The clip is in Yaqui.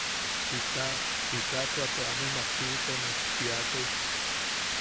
Jita... jita tua te amemak tuʼutene. Tiakai.